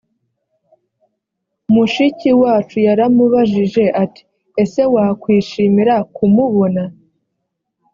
mushiki wacu yaramubajije ati ese wakwishimira kumubona